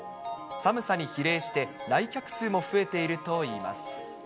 寒さに比例して、来客数も増えているといいます。